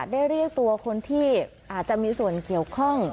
เรียกตัวคนที่อาจจะมีส่วนเกี่ยวข้อง